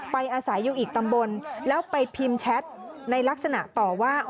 อาศัยอยู่อีกตำบลแล้วไปพิมพ์แชทในลักษณะต่อว่า